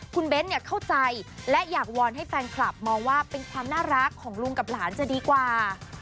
คุณเบ้นเข้าใจและอยากวอนให้แฟนคลับมองว่าเป็นความน่ารักของลุงกับหลานจะดีกว่า